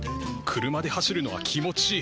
車で走るのは気持ちいい。